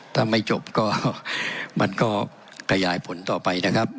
ถ้าไม่จบก็มันก็ขยายผลต่อไปนะครับ